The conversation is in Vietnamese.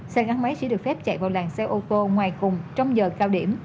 xe gắn máy sẽ được phép chạy vào làng xe ô tô ngoài cùng trong giờ cao điểm